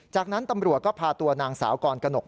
จากนั้นตำรวจก็พาตัวนางสาวกรกนก